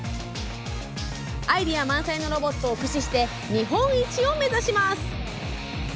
アイデア満載のロボットを駆使して日本一を目指します。